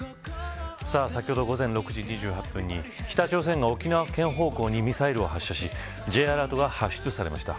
先ほど、午前６時２８分に北朝鮮が沖縄県方向にミサイルを発射しＪアラートが発出されました。